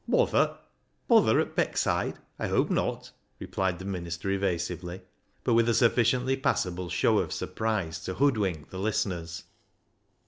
" Bother ? Bother at Beckside ! I hope not," replied the minister evasively, but with a sufficiently passable show of surprise to hood wink the listeners.